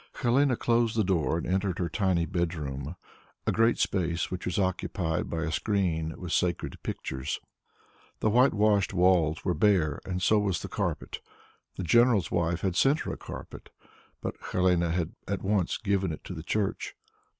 Helene closed the door and entered her tiny bedroom, a great space in which was occupied by a screen with sacred pictures. The whitewashed walls were bare, and so was the floor. The general's wife had sent her a carpet, but Helene had at once given it to the church.